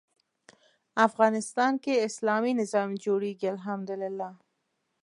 افغانستان کې اسلامي نظام جوړېږي الحمد لله.